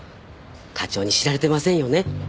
課長に知られてませんよね？